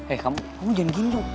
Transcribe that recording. eh kamu jangan gini loh